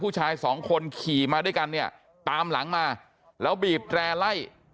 ผู้ชายสองคนขี่มาด้วยกันเนี่ยตามหลังมาแล้วบีบแร่ไล่